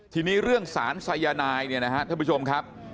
ทีนี้เรื่องสารสายนายเนี่ยนะครับท่านผู้ชมครับ